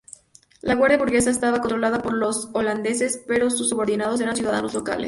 La Guardia Burguesa estaba controlada por los holandeses, pero sus subordinados eran ciudadanos locales.